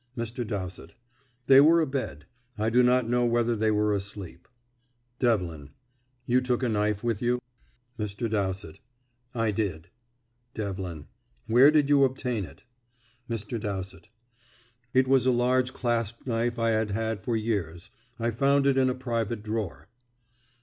Mr. Dowsett: "They were abed. I do not know whether they were asleep." Devlin: "You took a knife with you?" Mr. Dowsett: "I did." Devlin: "Where did you obtain it?" Mr. Dowsett: "It was a large clasp knife I had had for years. I found it in a private drawer."